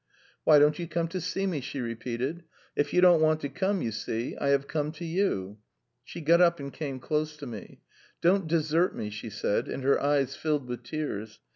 Why don't you come to see me? " she repeated. ' You don't want to come? I had to come to you." She got up and came close to me. " Don'lleave me," she said, and her eyes filled with tears.